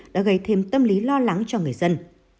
đã gây thêm tâm lý lo lắng cho người dân